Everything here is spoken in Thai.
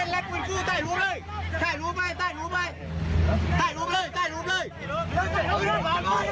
อดทนอดทนธรรม